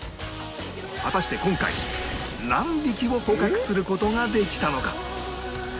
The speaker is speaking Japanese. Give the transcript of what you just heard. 果たして今回何匹を捕獲する事ができたのか？